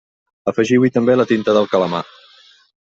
Afegiu-hi també la tinta del calamar.